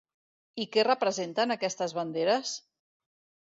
I què representen, aquestes banderes?